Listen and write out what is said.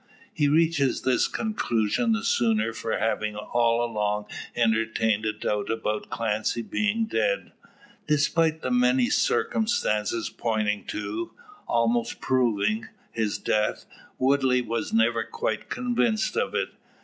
He reaches this conclusion the sooner from having all along entertained a doubt about Clancy being dead. Despite the many circumstances pointing to, almost proving, his death, Woodley was never quite convinced of it.